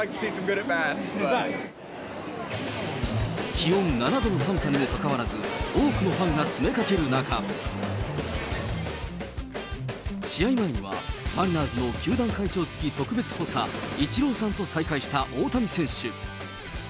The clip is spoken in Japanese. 気温７度の寒さにもかかわらず、多くのファンが詰めかける中、試合前には、マリナーズの球団会長付特別補佐、イチローさんと再会した大谷選手。